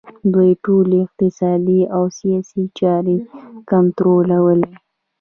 دوی ټولې اقتصادي او سیاسي چارې کنټرولوي